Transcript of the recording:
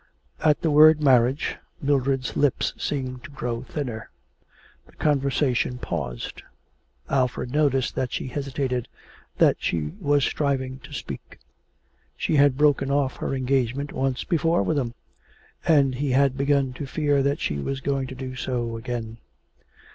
At the word marriage, Mildred's lips seemed to grow thinner. The conversation paused. Alfred noticed that she hesitated, that she was striving to speak. She had broken off her engagement once before with him, and he had begun to fear that she was going to do so again.